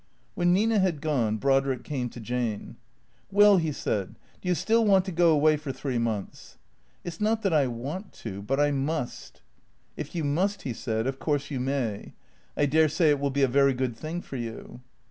When Nina had gone Brodrick came to Jane. " Well," he said, " do you still want to go away for three months ?"" It 's not that I want to, but I must." " If you must," he said, " of course you may. I dare say it will be a very good thing for you."